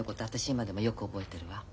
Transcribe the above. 今でもよく覚えてるわ。